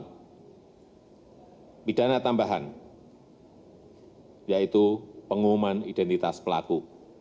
pidana tambahan yaitu pengumuman identitas pelaku